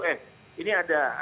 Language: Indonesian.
eh ini ada mekanisme yang bergantung